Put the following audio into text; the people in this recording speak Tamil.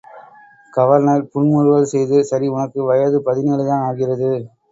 கவர்னர் புன்முறுவல் செய்து சரி உனக்கு வயது பதினேழுதான் ஆகிறது.